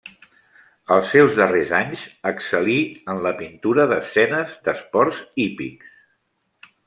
Als seus darrers anys, excel·lí en la pintura d'escenes d'esports hípics.